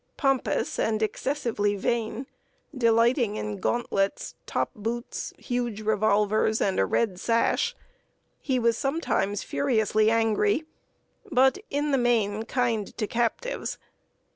Pompous and excessively vain, delighting in gauntlets, top boots, huge revolvers, and a red sash, he was sometimes furiously angry, but, in the main, kind to captives.